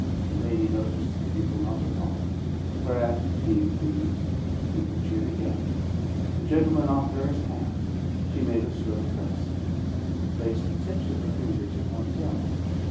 The lady noticed the people not at all; whereat, being pleased, the people cheered again. The gentleman offered her his hand; she made a slow courtesy; placed the tips of her fingers upon his own.